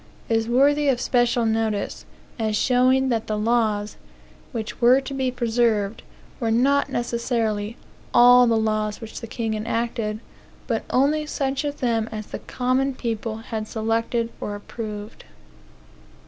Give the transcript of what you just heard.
is worthy of especial notice, as showing that the laws, which were to be preserved, were not necessarily all the laws which the kings enacted, but only such of them as the common people had selected or approved.